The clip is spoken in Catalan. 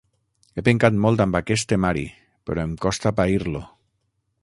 He pencat molt amb aquest temari, però em costa pair-lo.